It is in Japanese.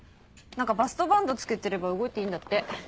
何かバストバンド着けてれば動いていいんだって。